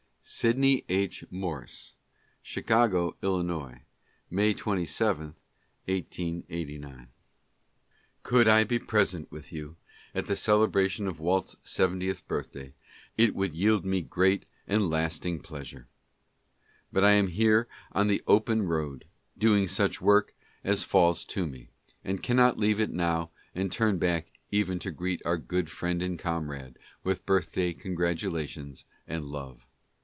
Sidney H. Morse: Chicago, Ills., May 27, i88q. Could I be present with you at the celebration of Walt*s seventieth birthday, it would yield me great and lasting pleasure. But I am here on the "Open Road," doing such work as falls 60 LETTERS. to me, and cannot leave it now and turn back even to greet our good friend and comrade with birthday congratulations and love.